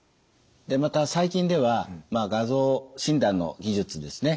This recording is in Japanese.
また最近では画像診断の技術ですね